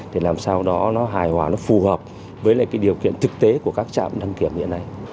để làm sao nó hài hòa nó phù hợp với điều kiện thực tế của các trạm đăng kiểm hiện nay